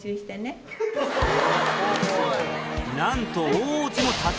なんと。